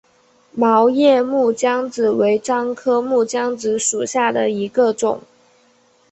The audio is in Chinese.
毛叶木姜子为樟科木姜子属下的一个种。